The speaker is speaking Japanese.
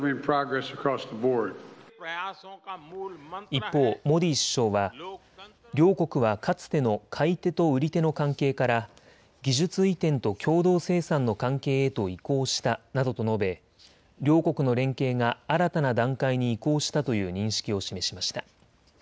一方、モディ首相は両国はかつての買い手と売り手の関係から技術移転と共同生産の関係へと移行したなどと述べ両国の連携が新たな段階に移行したという認識を示しました。